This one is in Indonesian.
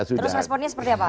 terus responnya seperti apa